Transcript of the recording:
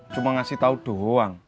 cuma ngasih tahu doang